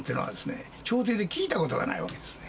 朝廷で聞いた事がないわけですね。